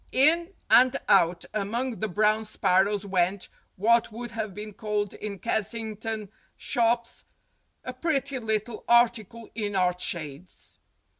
In and out among the brown sparrows went what would have been called in Kensington shops "a pretty little article in art shades."